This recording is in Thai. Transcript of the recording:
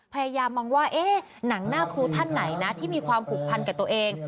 พยายามมองว่าหนังหน้าครูท่านไหนนะที่มีความผูกพันกับตัวเอง